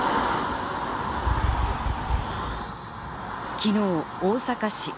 昨日、大阪市。